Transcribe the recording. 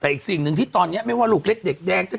แต่อีกสิ่งหนึ่งที่ตอนนี้ไม่ว่าลูกเล็กเด็กแดง